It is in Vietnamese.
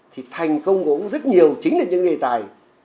thì thành công của ông rất nhiều chính là những người tài